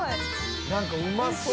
「なんかうまそう」